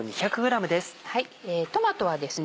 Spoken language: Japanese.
トマトはですね